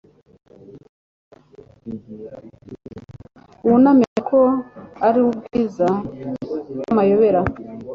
Wuname kuko ari ubwiza bw'amayobera